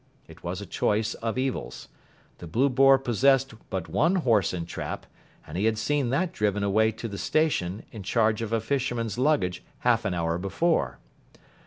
It was a choice of evils. The "Blue Boar" possessed but one horse and trap, and he had seen that driven away to the station in charge of a fisherman's luggage half an hour before.